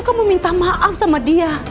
saya meminta maaf sama dia